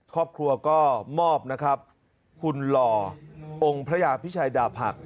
ครอบครัวก็มอบนะครับคุณหล่อองค์พระยาพิชัยดาบหัก